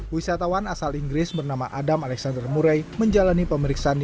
wisatawan asal inggris bernama adam alexander murai menjalani pemeriksaan di